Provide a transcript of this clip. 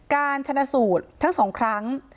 การชนะสูตรทั้ง๒ครั้ง